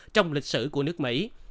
trong lịch sử của nước mỹ